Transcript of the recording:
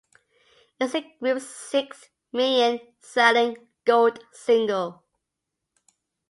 It was the group's sixth million-selling gold single.